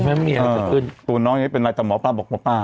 ไม่มีไม่มีอะไรขึ้นตัวน้องเนี้ยเป็นอะไรแต่หมอป้าบอกมาป้า